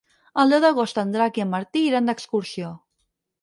El deu d'agost en Drac i en Martí iran d'excursió.